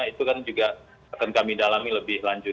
itu kan juga akan kami dalami lebih lanjut